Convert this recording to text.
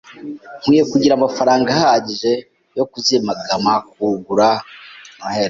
Nkwiye kugira amafaranga ahagije yo kuzigama kugura Noheri.